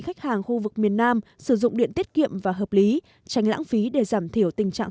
khách hàng khu vực miền nam sử dụng điện tiết kiệm và hợp lý tránh lãng phí để giảm thiểu tình trạng